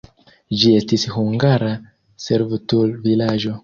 Ĝi estis hungara servutul-vilaĝo.